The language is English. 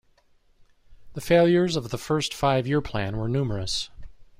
The failures of the first five-year plan were numerous.